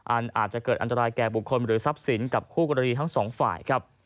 อาจจะเกิดอันตรายแก่บุคคลหรือทรัพย์สินกับคู่กรณีทั้งสองฝ่ายครับ